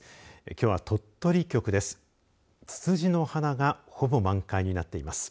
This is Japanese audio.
きょうは鳥取局です。